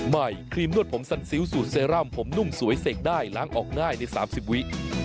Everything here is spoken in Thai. ครีมนวดผมสันซิลสูตรเซรั่มผมนุ่มสวยเสกได้ล้างออกง่ายใน๓๐วิ